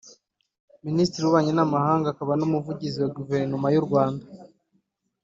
Minisitiri w’Ububanyi n’Amahanga akaba n’Umuvugizi wa Guverinoma y’u Rwanda